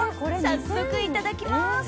早速いただきます！